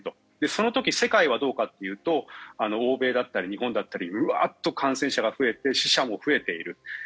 その時、世界はどうかというと欧米だったり日本だったりうわっと感染者が増えて死者も増えている。